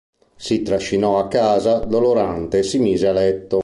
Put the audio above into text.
Si trascinò a casa dolorante e si mise a letto.